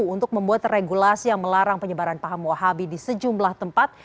untuk membuat regulasi yang melarang penyebaran paham muhabi di sejumlah tempat